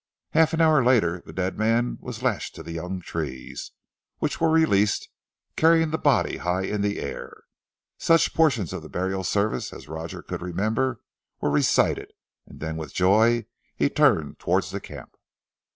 Half an hour later the dead man was lashed to the young trees which were released, carrying the body high in the air. Such portions of the burial service as Roger could remember were recited, and then with Joy, he turned towards the camp.